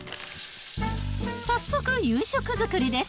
早速、夕食作りです。